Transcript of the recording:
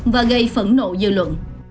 và gây phẫn nộ dư luận